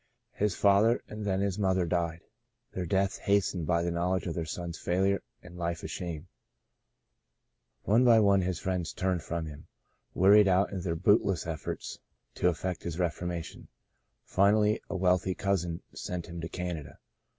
His father and then his mother died — their deaths hastened 144 '^^^ Blossoming Desert by the knowledge of their son's failure and life of shame. One by one his friends turned from him, wearied out in their bootless efforts to effect his reformation. Finally a wealthy cousin sent him to Canada.